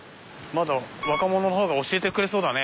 若者の方が教えてくれそうだね。